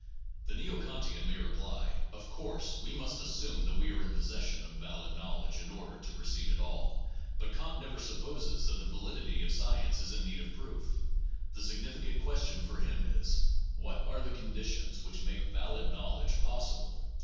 The neo Kantian may reply: "Of course we must assume that we are in possession of valid knowledge in order to proceed at all. But Kant never sup poses that the validity of science is in need of proof. The significant question for him is, "What are the conditions which make valid knowledge possible?"